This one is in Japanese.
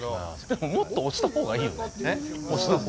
もっと推したほうがいいよね。